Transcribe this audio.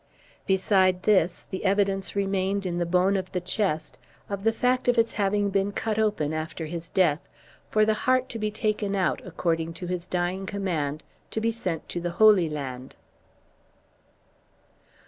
Beside this, the evidence remained in the bone of the chest of the fact of its having been cut open after his death, for the heart to be taken out, according to his dying command, to be sent to the Holy Land.